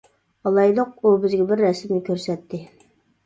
ئالايلۇق: ئۇ بىزگە بىر رەسىمنى كۆرسەتتى.